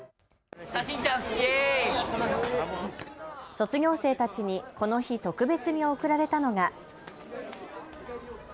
卒業生たちにこの日、特別に贈られたのが。